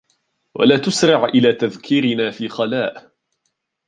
وَلَا تُسْرِعْ إلَى تَذْكِيرِنَا فِي خَلَاءٍ